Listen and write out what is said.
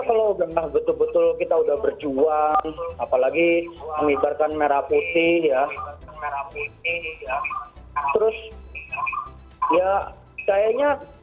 kalau benar benar betul betul kita udah berjuang apalagi mengibarkan merah putih ya terus ya kayaknya